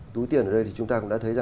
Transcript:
túi tiền ở đây chúng ta cũng đã thấy